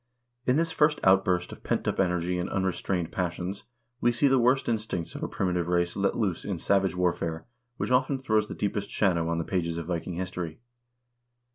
In this first outburst of pent up energy and unrestrained passions we see the worst instincts of a primitive race let loose in savage warfare which often throws the deepest shadow on the pages of Viking history.